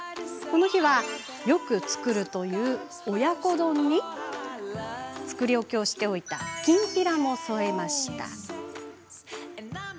この日はよく作るという親子丼に作り置きしていたきんぴらも添えました。